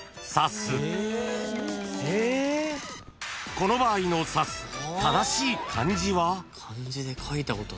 ［この場合の「さす」正しい漢字は？］